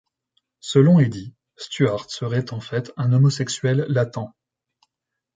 Selon Eddy, Stuart serait en fait un homosexuel latent.